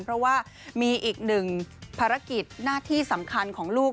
เพราะว่ามีอีกหนึ่งภารกิจหน้าที่สำคัญของลูก